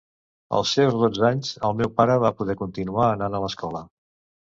Als seus dotze anys, el meu pare va poder continuar anant a escola.